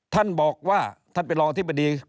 ตรวจโทรกรณวัตน์บ้านประภาคร